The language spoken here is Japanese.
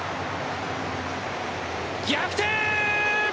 逆転！